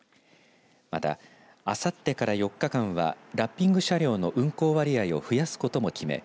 また、あさってから４日間はラッピング車両の運行割合を増やすことも決め